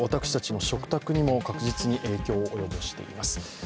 私たちの食卓にも確実に影響を及ぼしています。